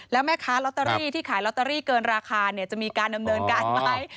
แล้วแม่ค้าลอตเตอรี่ที่ขายลอตเตอรี่เกินราคาจะมีการดำเนินการไหม